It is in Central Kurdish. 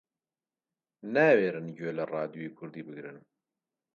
ناوێرن گوێ لە ڕادیۆی کوردی بگرن